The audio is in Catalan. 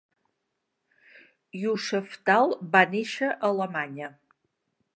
Yoseftal va néixer a Alemanya.